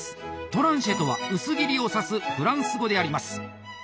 「トランシェ」とは「薄切り」を指すフランス語であります。